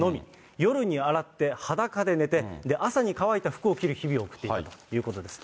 夜に洗って裸で寝て、朝に乾いた服を着る日々を送っていたということです。